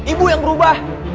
ibu yang berubah